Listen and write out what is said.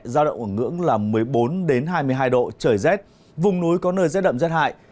giao động ở ngưỡng là một mươi bốn hai mươi hai độ trời rét vùng núi có nơi rét đậm rét hại